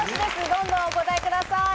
どんどんお答えください。